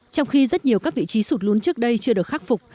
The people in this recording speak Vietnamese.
trong khi rất nhiều các vị trí sụt lún trước đây chưa được khắc phục